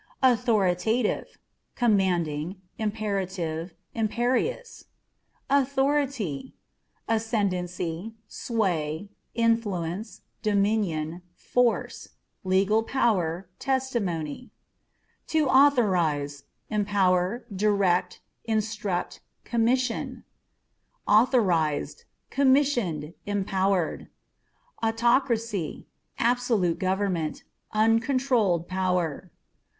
AUTHORiTATiVE ^commanding, imperative, imperious. Authority â€" ascendency, sway, influence, dominion, force : legal power, testimony. To Authorize â€" empower, direct, instruct, commission. 20 AUT AZU. Authorizedâ€" commissioned, empowered. Autocracy â€" absolute government, uncontrolled power.